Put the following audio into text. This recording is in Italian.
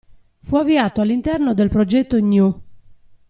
Fu avviato all'interno del progetto GNU.